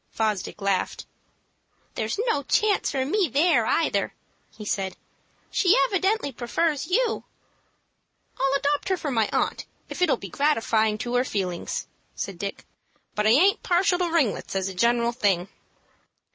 Fosdick laughed. "There's no chance for me there either," he said. "She evidently prefers you." "I'll adopt her for my aunt if it'll be gratifying to her feelings," said Dick; "but I aint partial to ringlets as a general thing."